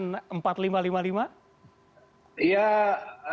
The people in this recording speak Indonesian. ya kalau menurut saya lima puluh lima puluh ya